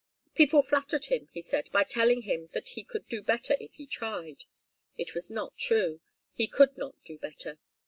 People flattered him, he said, by telling him that he could do better if he tried. It was not true. He could not do better.